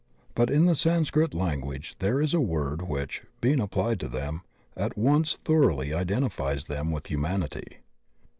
But in the Sanskrit language there is a word which, being applied to them, at once thoroughly identifies them with humanity.